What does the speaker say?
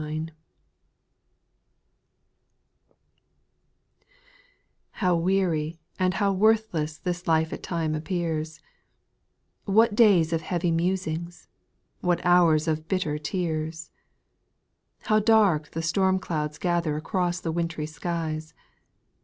■ H OW weary and how worthless this life at times appears I What days of heavy musings, what hours of bitter tears ! How dark the storm clouds gather across the wintry skies